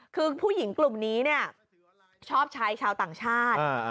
คือผู้หญิงกลุ่มนี้เนี่ยชอบชายชาวต่างชาติ